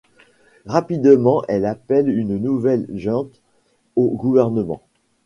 Rapidement on appelle une nouvelle junte au gouvernement.